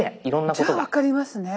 じゃあ分かりますね。